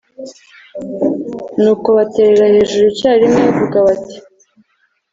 nuko baterera hejuru icyarimwe bavuga bati